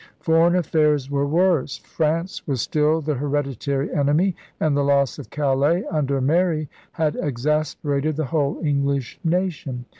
Foreign affairs were worse. France was still the hereditary enemy; and the loss of Calais under Mary had exasperated the whole English nation.